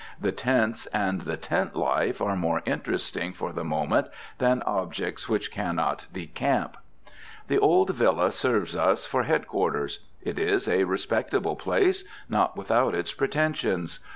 The tents and the tent life are more interesting for the moment than objects which cannot decamp. The old villa serves us for head quarters. It is a respectable place, not without its pretensions.